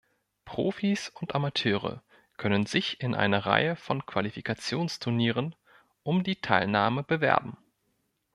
Profis und Amateure können sich in einer Reihe von Qualifikationsturnieren um die Teilnahme bewerben.